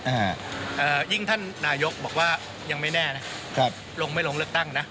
อ่าเอ่อยิ่งท่านนายกบอกว่ายังไม่แน่นะครับลงไม่ลงเลือกตั้งนะ